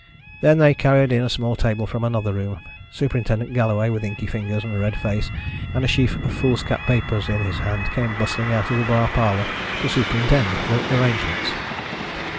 Then they carried in a small table from another room. Superintendent Galloway, with inky fingers and a red face, and a sheaf of foolscap papers in his hand, came bustling out of the bar parlour to superintend the arrangements.